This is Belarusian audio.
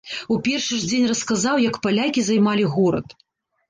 У першы ж дзень расказаў, як палякі займалі горад!